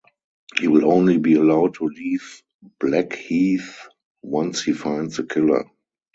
He will only be allowed to leave Blackheath once he finds the killer.